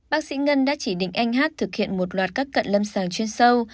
bác sĩ ngân đã chỉ định anh hát thực hiện một loạt các cận lâm sàng chuyên sâu